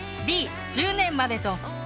Ｄ「１０年まで」とＥ